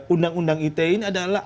undang undang ite ini adalah